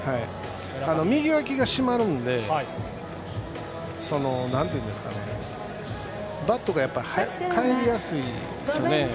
右わきが締まるのでバットがかえりやすいですよね。